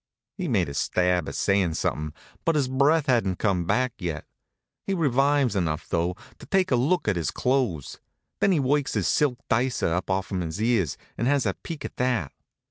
He makes a stab at sayin' something, but his breath hadn't come back yet. He revives enough though, to take a look at his clothes. Then he works his silk dicer up off'm his ears, and has a peek at that.